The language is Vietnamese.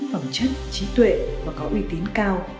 phẩm chất trí tuệ và có uy tín cao